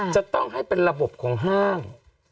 จะต้องให้เป็นระบบของห้าง